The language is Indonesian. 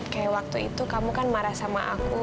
kayak waktu itu kamu kan marah sama aku